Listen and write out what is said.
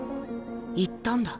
言ったんだ。